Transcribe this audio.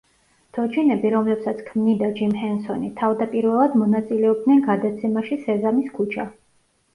თოჯინები, რომლებსაც ქმნიდა ჯიმ ჰენსონი, თავდაპირველად მონაწილეობდნენ გადაცემაში სეზამის ქუჩა.